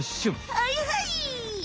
はいはい！